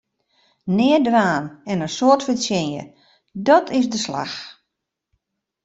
Neat dwaan en in soad fertsjinje, dàt is de slach!